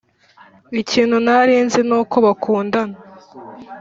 ikintu ntari nzi nuko bakundana ...